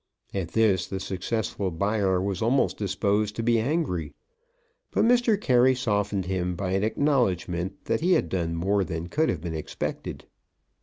At this the successful buyer was almost disposed to be angry; but Mr. Carey softened him by an acknowledgment that he had done more than could have been expected.